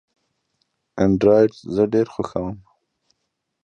انډرایډ زه ډېر خوښوم.